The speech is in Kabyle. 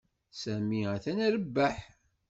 Sami atan irebbeḥ.